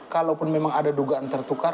kalau pun memang ada dugaan tertukar